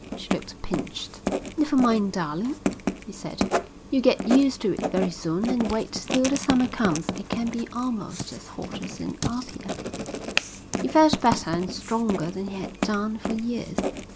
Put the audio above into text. She looked pinched. "Never mind, darling," he said. "You'll get used to it very soon. And wait till the summer comes. It can be almost as hot as in Apia." He felt better and stronger than he had done for years.